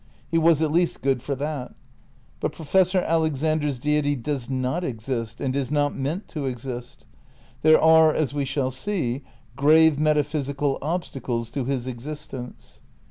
He was, at least, good for that. But Professor Alexander's Deity does not exist, and is not meant to exist. There are, as we shall see, grave metaphysical obstacles to his existence.